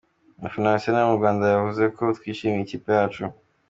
Abafana ba Arsenal mu Rwanda bavuze ko “Twishimiye ikipe yacu.